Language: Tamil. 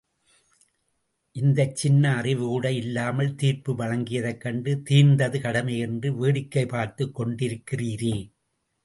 இந்தச் சின்ன அறிவு கூட இல்லாமல் தீர்ப்பு வழங்கியதைக்கண்டு தீர்ந்தது கடமை என்று வேடிக்கை பார்த்துக் கொண்டு இருக்கிறீரே.